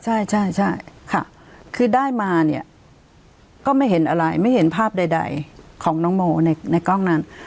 ใช่ใช่ค่ะคือได้มาเนี่ยก็ไม่เห็นอะไรไม่เห็นภาพใดของน้องโมในกล้องนั้น